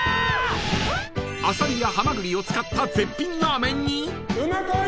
［アサリやハマグリを使った絶品ラーメンに］